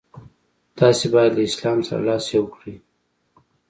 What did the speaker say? تاسي باید له اسلام سره لاس یو کړئ.